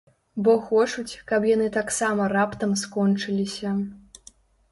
Бо хочуць, каб яны таксама раптам скончыліся.